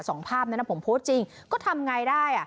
สองภาพนั้นนะผมโพสต์จริงก็ทำอย่างไรได้